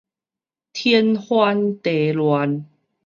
天翻地亂